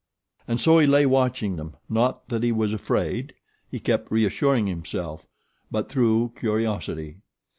And so he lay watching them not that he was afraid, he kept reassuring himself, but through curiosity.